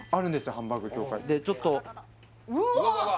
ハンバーグ協会でちょっとうわっ！